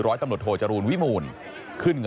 รตโชจรูนวิมู๋น